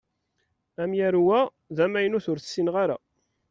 Amyaru-a d amaynut ur t-ssineɣ ara.